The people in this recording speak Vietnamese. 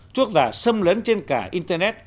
thuốc giả xâm lấn trên cả internet